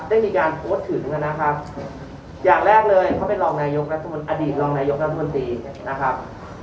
ได้มีการโพสต์ถึงนะครับอย่างแรกเลยเขาเป็นรองนายกรัฐมนตรีรองนายกรัฐมนตรีนะครับ